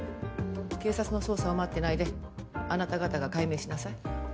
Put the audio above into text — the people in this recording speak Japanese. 警察の捜査を待ってないであなた方が解明しなさい。